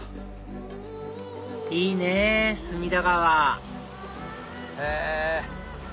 いいね隅田川へぇ！